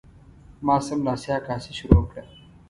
ما سملاسي عکاسي شروع کړه.